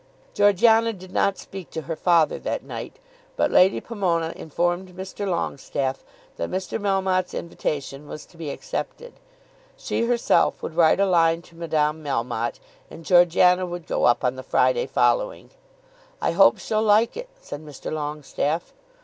Georgiana did not speak to her father that night, but Lady Pomona informed Mr. Longestaffe that Mr. Melmotte's invitation was to be accepted. She herself would write a line to Madame Melmotte, and Georgiana would go up on the Friday following. "I hope she'll like it," said Mr. Longestaffe.